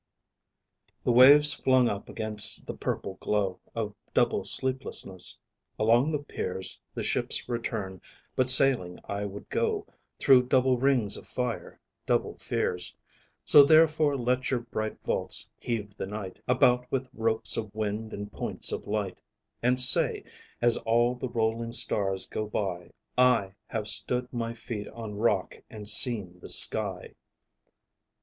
A. The waves flung up against the purple glow of double sleeplessness. Along the piers the ships return; but sailing I would go through double rings of fire, double fears. So therefore let your bright vaults heave the night about with ropes of wind and points of light, and say, as all the rolling stars go, "I have stood my feet on rock and seen the sky."